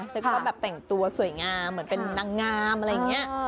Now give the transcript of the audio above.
ฉันก็แบบแต่งตัวสวยงามเหมือนเป็นนางงามอะไรอย่างนี้